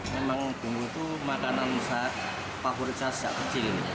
memang bumbu itu makanan favorit saya sejak kecil